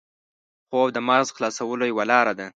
خوب د مغز خلاصولو یوه لاره ده